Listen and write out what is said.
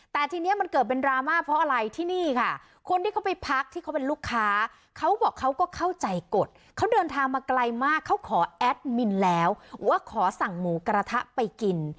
แต่ทีนี้มันเกิดเป็นดราม่าเพราะอะไรที่นี่ค่ะคนที่เขาไปพักที่เขาเป็นลูกค้าเขาบอกเขาก็เข้าใจกฎเขาเดินทางมาไกลมากเขาขอแอดมินแล้วว่าขอสั่งหมูกระทะไปกิน